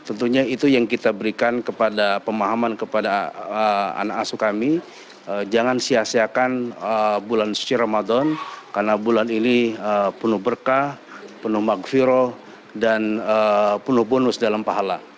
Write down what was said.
tentunya itu yang kita berikan kepada pemahaman kepada anak asuh kami jangan sia siakan bulan suci ramadan karena bulan ini penuh berkah penuh maghfirah dan penuh bonus dalam pahala